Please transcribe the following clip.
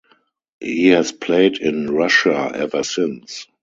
He has played in Russia ever since.